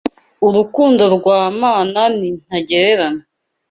Urukundo rwa mama ni ntagereranywa